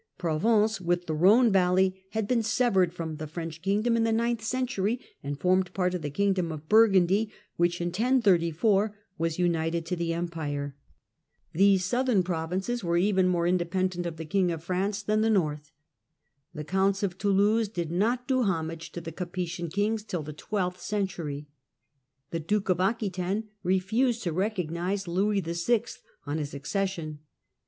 Provence, with the Khone valley, had been severed from the French kingdom in the ninth century, and formed part of the kingdom of Burgundy, which in 1034 was united to the Empire (see p. 31). These southern provinces were PRANCE UNDER LOUIS VI. AND LOUIS Vll. 101 even more independent of the king of France than the North. The Counts of Toulouse did not do homage to the Capetian kings till the twelfth century. The Duke of Aquitaine refused to recognize Louis VI. on his acces sion.